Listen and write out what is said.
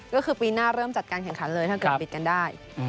ก็คือปีหน้าเริ่มจัดการแข่งขันเลยถ้าเกิดปิดกันได้